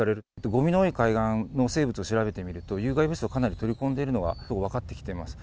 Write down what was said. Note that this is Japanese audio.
ごみの多い海岸の生物を調べてみると、有害物質をかなり取り込んでいるのが分かってきてます。